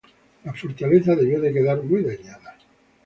La fortaleza debió de quedar muy dañada.